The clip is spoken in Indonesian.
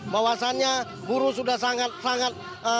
bahwasannya buruh sudah sangat sangat